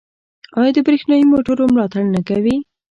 آیا د بریښنايي موټرو ملاتړ نه کوي؟